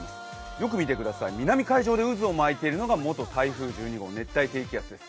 よく見てください、南海上で渦を巻いているのが元台風１２号、熱帯低気圧です。